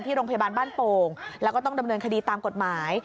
โรงพยาบาลบ้านโป่งแล้วก็ต้องดำเนินคดีตามกฎหมาย